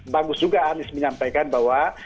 bagus juga anies menyampaikan bahwa